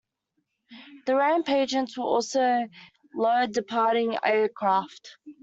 The ramp agents will also load departing aircraft.